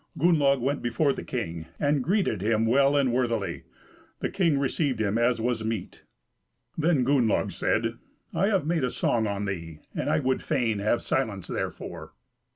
Gunnlaug went before the king, and greeted him well and worthily. The king received him as was meet. Then Gunnlaug said, "I have made a song on thee, and I would fain have silence therefor."